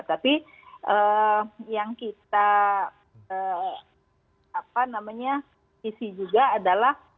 tapi yang kita isi juga adalah